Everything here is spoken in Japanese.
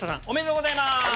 おめでとうございます！